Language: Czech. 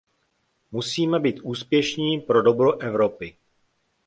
Musíme být úspěšní pro dobro Evropy.